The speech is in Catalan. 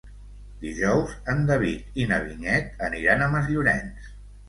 Dijous en David i na Vinyet aniran a Masllorenç.